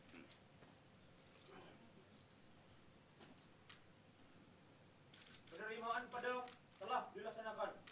penyerahan penerimaan padawak telah dilaksanakan